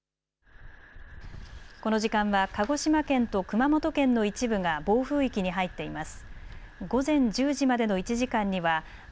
この時間は鹿児島県と熊本県の一部が暴風域に入っています。